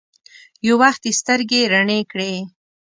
يو وخت يې سترګې رڼې کړې.